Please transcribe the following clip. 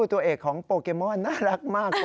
ตัวเอกของโปเกมอนน่ารักมาก